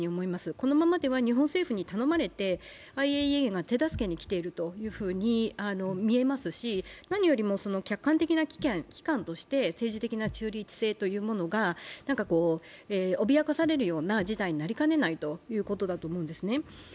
このままでは日本政府に頼まれてＩＡＥＡが手助けに来ていると見えますし、何よりも客観的な機関として政治的な中立性というのが脅かされるような事態になりかねないということだと思うんですね。